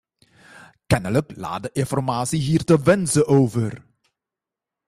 Kennelijk laat de informatie hier te wensen over.